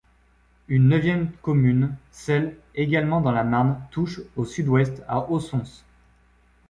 Une neuvième commune, Selles, également dans la Marne, touche au sud-ouest à Aussonce.